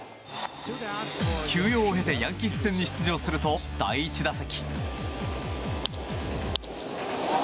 休養を経てヤンキース戦に出場すると第１打席。